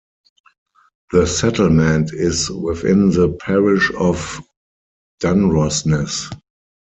The settlement is within the parish of Dunrossness.